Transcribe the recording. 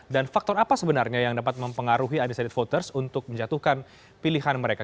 dan faktor apa sebenarnya yang dapat mempengaruhi undecided voters untuk menjatuhkan pilihan mereka